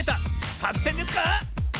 さくせんですか